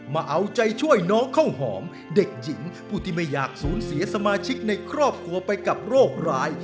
มาเอาใจช่วยน้องข้าวหอมเด็กหญิงผู้ที่ไม่อยากสูญเสียสมาชิกในครอบครัวไปกับโรคร้าย